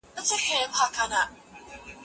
دا څېړنه به په راتلونکي کي ډېرې ګټې ولري.